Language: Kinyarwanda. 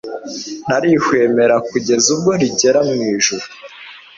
ntarihwemera kugeza ubwo rigera mu ijuru